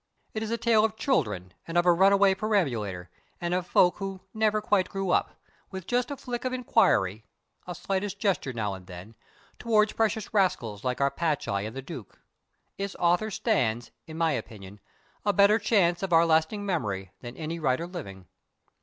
It is a tale of children and of a runaway perambulator and of folk who never quite grew up, with just a flick of inquiry a slightest gesture now and then toward precious rascals like our Patch Eye and the Duke. Its author stands, in my opinion, a better chance of our lasting memory than any writer living.